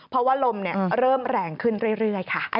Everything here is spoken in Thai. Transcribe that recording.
เพราะว่าลมเริ่มแรงขึ้นเรื่อยค่ะ